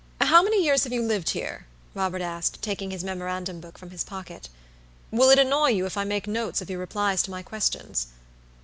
"How many years have you lived here?" Robert asked, taking his memorandum book from his pocket. "Will it annoy you if I make notes of your replies to my questions?"